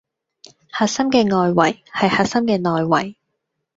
核心嘅外圍係核心嘅內圍